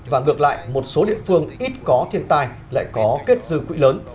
và ngược lại một số địa phương ít có thiên tai lại có kết dư quỹ lớn